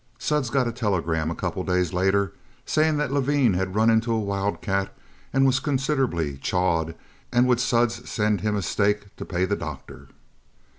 Suds got a telegram a couple days later saying that Levine had run into a wild cat and was considerable chawed and would Suds send him a stake to pay the doctor?